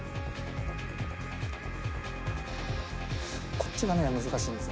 こっちがね難しいんです。